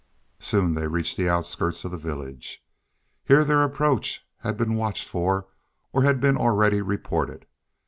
Soon they reached the outskirts of the village. Here their approach bad been watched for or had been already reported.